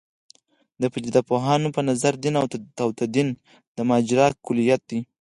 د پدیده پوهانو په نظر دین او تدین د ماجرا کُلیت دی.